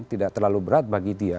tidak terlalu berat bagi dia